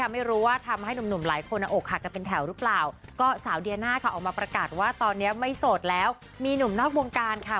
มีหนุ่มนอกวงการค่ะ